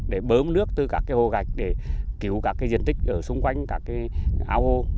để bơm nước từ các hồ gạch để cứu các diện tích ở xung quanh các áo hô